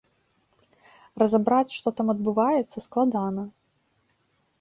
Разабраць, што там адбываецца, складана.